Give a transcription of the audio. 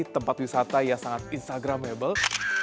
tempat wisata yang sangat instagramable